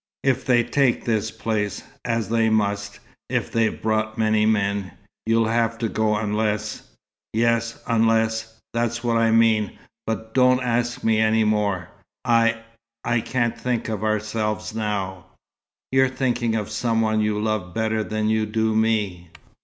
"If they take this place as they must, if they've brought many men, you'll have to go, unless " "Yes; 'unless.' That's what I mean. But don't ask me any more. I I can't think of ourselves now." "You're thinking of some one you love better than you do me."